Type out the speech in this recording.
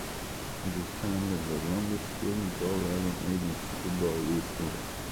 It is currently the longest field goal ever made in Super Bowl History.